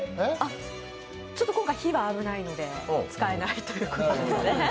ちょっと今回、火は危ないので使えないということですね。